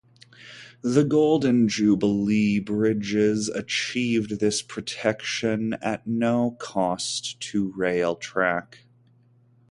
The Golden Jubilee Bridges achieved this protection at no cost to Railtrack.